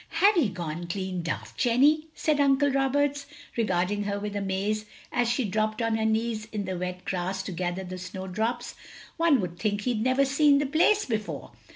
"Have ye gone clean daft, Jenny?" said Uncle Roberts, regarding her with amaze, as she dropped on her knees in the wet grass to gather the snow drops. "One would think ye'd never seen the place before.